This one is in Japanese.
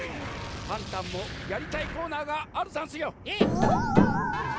パンタンもやりたいコーナーがあるざんすよ。